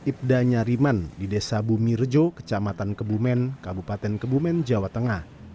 ibtu nyariman di desa bumirejo kecamatan kebumen kabupaten kebumen jawa tengah